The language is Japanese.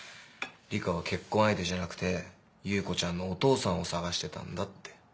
梨花は結婚相手じゃなくて優子ちゃんのお父さんを探してたんだって。